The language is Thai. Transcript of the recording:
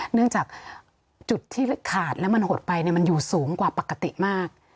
เนื่องจากจุดที่ขาดแล้วมันหดไปมันอยู่สูงกว่าปกติมาก